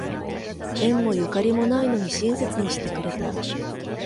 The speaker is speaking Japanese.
縁もゆかりもないのに親切にしてくれた